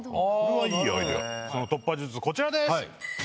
突破術こちらです！